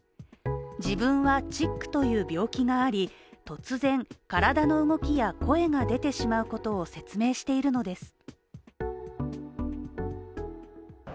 自分はチックという病気があり突然、体の動きや声が出てしまうことを説明しているのです。